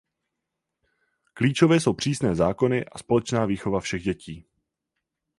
Klíčové jsou přísné zákony a společná výchova všech dětí.